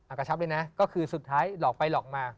กระชับเลยนะก็คือสุดท้ายหลอกไปหลอกมา